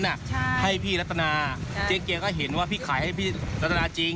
ใช่ให้พี่รัตนาเจ๊เกียร์ก็เห็นว่าพี่ขายให้พี่รัตนาจริง